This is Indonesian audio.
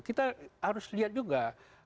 kita harus lihat juga